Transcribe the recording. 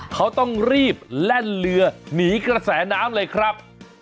เขาต้องรีบแล่นเรือหนีกระแสน้ำเลยครับ